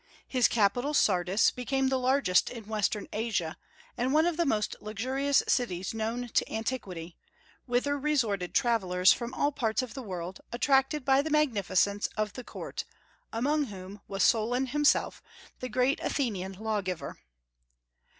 His capital Sardis became the largest in western Asia, and one of the most luxurious cities known to antiquity, whither resorted travellers from all parts of the world, attracted by the magnificence of the court, among whom was Solon himself, the great Athenian law giver.